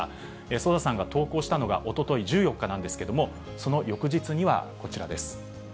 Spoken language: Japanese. ソダさんが投稿したのがおととい１４日なんですけれども、その翌日にはこちらです。